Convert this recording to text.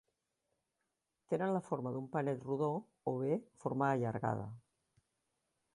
Tenen la forma d'un panet rodó o bé forma allargada.